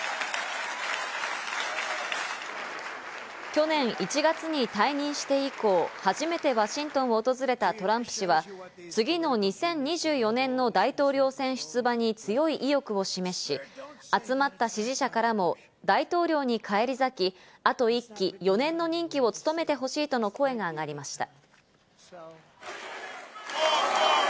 去年１月に退任して以降、初めてワシントンを訪れたトランプ氏は、次の２０２４年の大統領選出馬に強い意欲を示し、集まった支持者からも大統領に返り咲き、あと１期、４年の任期を務めてほしいとの声が上がりました。